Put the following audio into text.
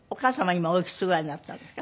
今おいくつぐらいになったんですか？